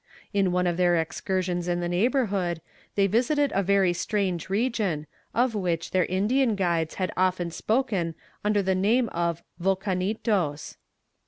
In one of their excursions in the neighbourhood they visited a very strange region, of which their Indian guides had often spoken under the name of Volcanitos.